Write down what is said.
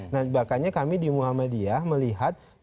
nah makanya kami di muhammadiyah melihat